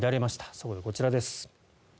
そこでこちらです。